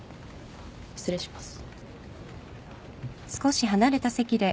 失礼します。